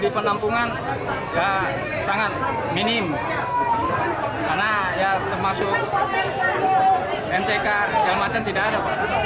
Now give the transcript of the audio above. di penampungan tidak sangat minim karena termasuk mck dan macam tidak ada